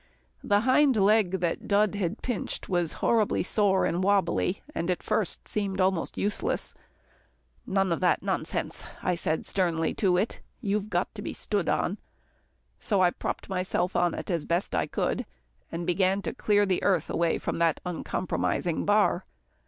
The hind leg that Dud had pinched was terribly sore and wobbly, and at first seemed almost useless. "None of that nonsense," I said sternly to it. "You've got to be stood on." So I propped myself on it as best I could, and began to clear the earth from that uncompromising bar.